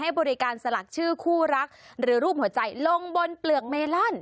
บริการสลักชื่อคู่รักหรือรูปหัวใจลงบนเปลือกเมลอน